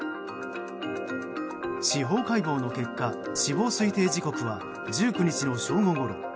司法解剖の結果、死亡推定時刻は１９日の正午ごろ。